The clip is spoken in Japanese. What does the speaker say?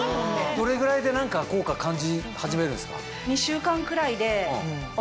どれぐらいで効果感じ始めるんですか？